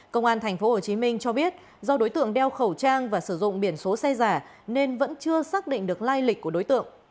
công an tp hcm cho biết do đối tượng đeo khẩu trang và sử dụng biển số xe giả nên vẫn chưa xác định được lai lịch của đối tượng